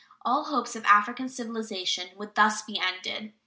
All hopes of African civilization would thus be ended.